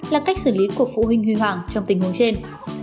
là cách xử lý của phụ huynh huy hoàng trong tình huống trên